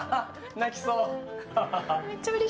泣きそう。